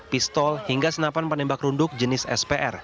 pistol hingga senapan penembak runduk jenis spr